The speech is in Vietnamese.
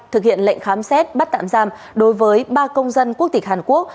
thực hiện lệnh khám xét bắt tạm giam đối với ba công dân quốc tịch hàn quốc